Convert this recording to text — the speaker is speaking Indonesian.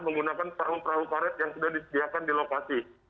menggunakan perahu perahu karet yang sudah disediakan di lokasi